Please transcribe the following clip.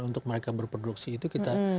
untuk mereka berproduksi itu kita